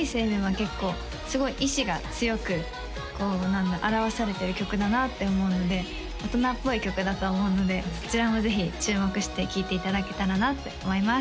結構すごい意志が強くこう何だろう表されてる曲だなって思うので大人っぽい曲だと思うのでそちらもぜひ注目して聴いていただけたらなって思います